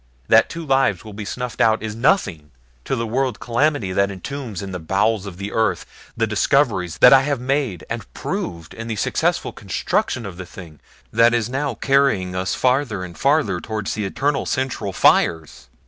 That two lives will be snuffed out is nothing to the world calamity that entombs in the bowels of the earth the discoveries that I have made and proved in the successful construction of the thing that is now carrying us farther and farther toward the eternal central fires."